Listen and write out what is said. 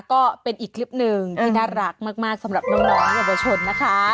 ก็เป็นอีกคลิปหนึ่งที่น่ารักมากสำหรับน้องเยาวชนนะคะ